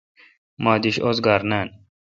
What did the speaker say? مہ اتش اوزگار نان۔